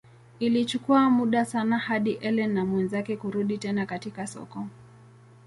Ilichukua muda sana hadi Ellen na mwenzake kurudi tena katika soko.